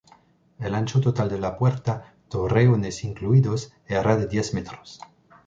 El ancho total de la puerta, torreones incluidos, era de diez metros.